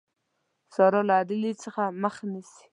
سارا له علي څخه مخ نيسي.